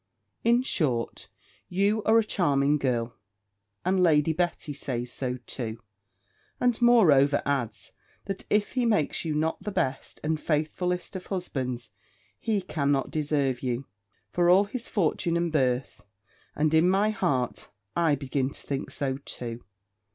In short, you are a charming girl; and Lady Betty says so too; and moreover adds, that if he makes you not the best and faithfullest of husbands, he cannot deserve you, for all his fortune and birth. And in my heart, I begin to think so too.